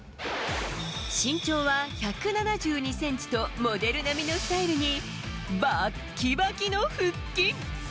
身長は１７２ｃｍとモデル並みのスタイルにバキバキの腹筋。